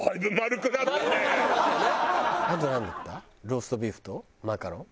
ローストビーフとマカロン？